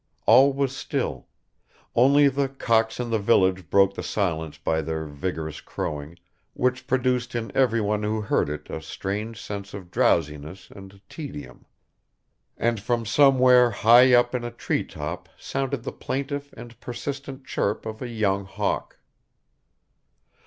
All was still; only the cocks in the village broke the silence by their vigorous crowing, which produced in everyone who heard it a strange sense of drowsiness and tedium; and from somewhere high up in a treetop sounded the plaintive and persistent chirp of a young hawk.